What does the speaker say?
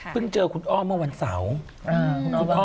เจอคุณอ้อมเมื่อวันเสาร์